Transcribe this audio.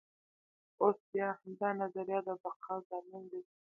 اوس بیا همدا نظریه د بقا ضامن دی.